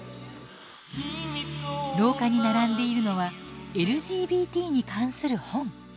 廊下に並んでいるのはＬＧＢＴに関する本。